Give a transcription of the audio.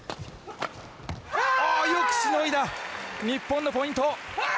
よくしのいだ日本のポイント。